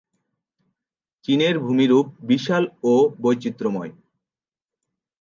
চীনের ভূমিরূপ বিশাল ও বৈচিত্র্যময়।